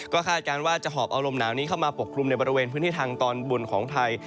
ก็คาดการณ์ว่าจะหอบเอาลมหนาวนี้เข้ามาปกคลุมในบริเวณพื้นที่ทางตอนบนของไทย